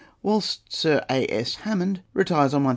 whilst Sir A.S. Hamond retires on 1500£.